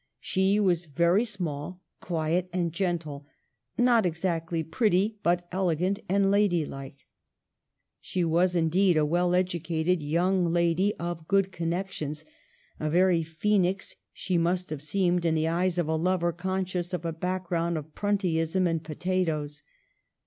She was very small, quiet and gentle, not exactly pretty, but elegant and ladylike. She was, indeed, a well educated young lady of good connections ; a very Phoenix she must have seemed in the eyes of a lover conscious of a background of Pruntyism and potatoes.